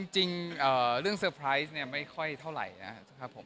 จริงเรื่องเซอร์ไพรส์เนี่ยไม่ค่อยเท่าไหร่นะครับผม